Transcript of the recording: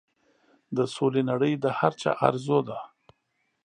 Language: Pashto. د سولې نړۍ د هر چا ارزو ده.